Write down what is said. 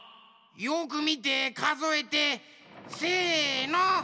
よくみてかぞえてせの！